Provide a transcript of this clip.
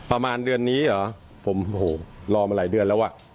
ประมาณเดือนนี้เหรอผมโหรอมาหลายเดือนแล้วอ่ะ